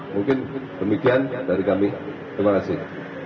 mungkin demikian dari kami terima kasih